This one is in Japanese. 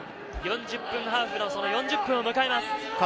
４０分ハーフの４０分を迎えます。